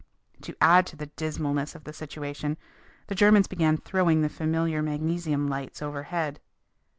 To add to the dismalness of the situation the Germans began throwing the familiar magnesium lights overhead.